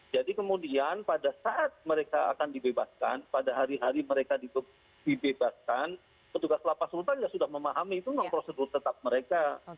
jadi kemudian pada saat mereka akan dibebaskan pada hari hari mereka dibebaskan petugas lapas rutan sudah memahami itu prosedur tetap mereka